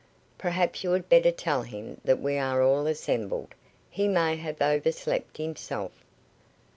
"Perhaps you had better tell him that we are all assembled. He may have overslept himself."